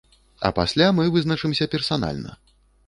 А пасля мы вызначымся персанальна.